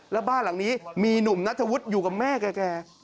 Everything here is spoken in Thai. แล้วบ้านหลังนี้มีหนุ่มนัทวุฒิอยู่กับแม่แก่